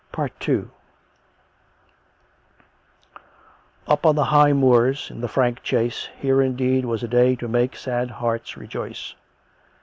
II Up on the high moors, in the frank chase, here indeed was a day to make sad hearts rejoice.